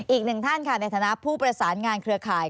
อีกหนึ่งท่านค่ะในฐานะผู้ประสานงานเครือข่าย